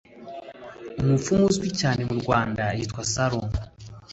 Umupfumu uzwi cyane mu Rwanda witwa Salongo